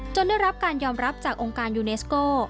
ได้รับการยอมรับจากองค์การยูเนสโก้